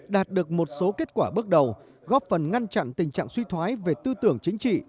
đạt được một số kết quả bước đầu góp phần ngăn chặn tình trạng suy thoái về tư tưởng chính trị